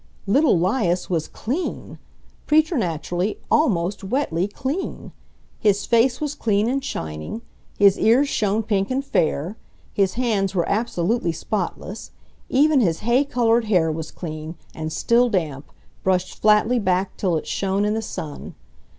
Little 'Lias was CLEAN, preternaturally, almost wetly clean. His face was clean and shining, his ears shone pink and fair, his hands were absolutely spotless, even his hay colored hair was clean and, still damp, brushed flatly back till it shone in the sun.